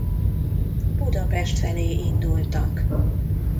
Budapest felé indultak.